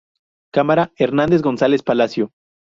Cámara: Hernando González Palacio.